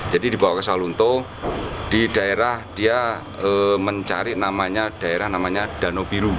jadi dibawa ke soal lunto di daerah dia mencari namanya daerah namanya danobiru